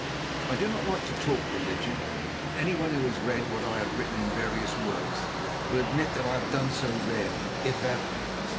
I do not like to talk religion, and anyone who has read what I have written in various works will admit that I have done so rarely, if ever.